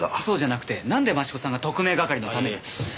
そうじゃなくてなんで益子さんが特命係のために？